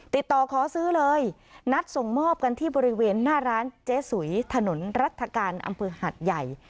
ติดต่อขอซื้อเลยนัดส่งมอบกันที่บริเวณหน้าร้านเจ๊สุยถนนรัฐกาลอำเภอหัดใหญ่